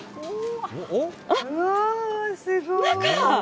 うわー、すごい。